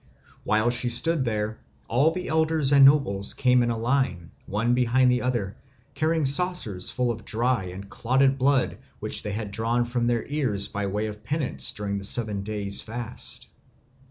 While she stood there all the elders and nobles came in a line, one behind the other, carrying saucers full of dry and clotted blood which they had drawn from their ears by way of penance during the seven days' fast.